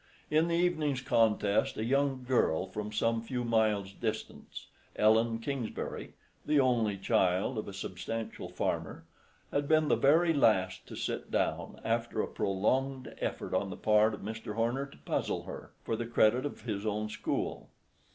In the evening's contest a young girl from some few miles' distance, Ellen Kingsbury, the only child of a substantial farmer, had been the very last to sit down, after a prolonged effort on the part of Mr. Horner to puzzle her, for the credit of his own school.